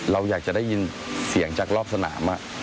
เราอยากจะได้ยินเสียงจากรอบสนาม